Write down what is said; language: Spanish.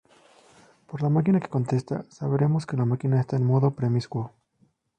Por la máquina que contesta, sabremos que la máquina está en modo promiscuo.